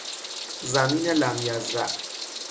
زمین لمیزرع